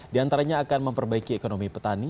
di antaranya akan memperbaiki ekonomi petani